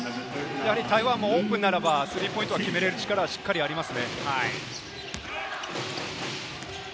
台湾もオープンならばスリーポイントを決めれる力はしっかりありますね。